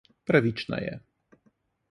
Pravična je.